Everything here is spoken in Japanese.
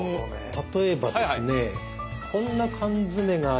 例えばですねこんな缶詰がありますが。